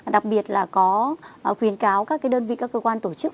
đặc biệt là có khuyến cáo các đơn vị các cơ quan tổ chức